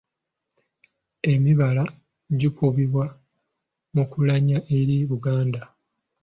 Emibala gikubibwa mu kulanya eri Obuganda.